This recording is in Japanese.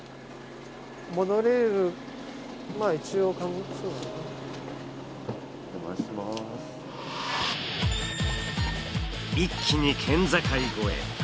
一気に県境越え。